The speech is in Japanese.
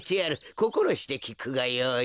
こころしてきくがよい。